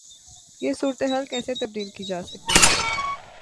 یہ صورتحال کیسے تبدیل کی جا سکے گی؟